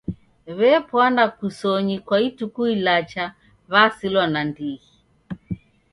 W'epwana kusonyi kwa ituku ilacha w'asilwa nandighi.